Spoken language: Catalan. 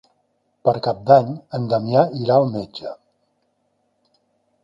Per Cap d'Any en Damià irà al metge.